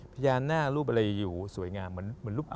พยานหน้ารูปอะไรอยู่สวยงามเหมือนรูปแข่ง